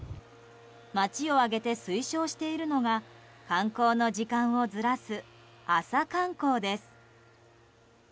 街を挙げて推奨しているのが観光の時間をずらす朝観光です。